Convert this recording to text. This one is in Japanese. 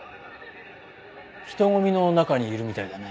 「」人混みの中にいるみたいだね。